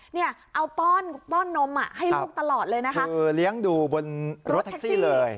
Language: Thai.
เนี่ยเอาป้อนป้อนนมอ่ะให้ลูกตลอดเลยนะคะเออเลี้ยงดูบนรถแท็กซี่เลย